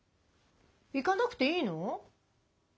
行かなくていいの？